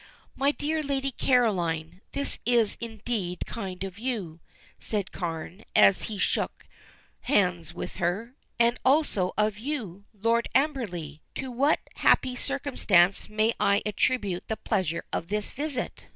"My dear Lady Caroline, this is indeed kind of you," said Carne, as he shook hands with her, "and also of you, Lord Amberley. To what happy circumstance may I attribute the pleasure of this visit?"